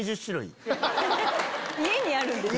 家にあるんですか？